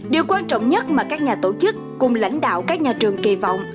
điều quan trọng nhất mà các nhà tổ chức cùng lãnh đạo các nhà trường kỳ vọng